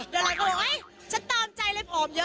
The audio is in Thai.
เดือนไหล่ก็บอกฉันตอมใจเลยผอมเยอะ